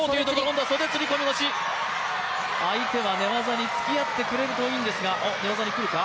相手は寝技に付き合ってくれるといいんですが、寝技に来るか？